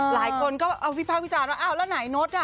หลายคนก็วิภาควิจารณ์ว่าอ้าวแล้วไหนโน๊ตอ่ะ